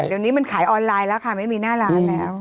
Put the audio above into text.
เดี๋ยวนี้มันขายออนไลน์แล้วค่ะไม่มีหน้าร้านแล้ว